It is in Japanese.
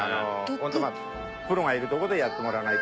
ホントプロがいるとこでやってもらわないと危ないから。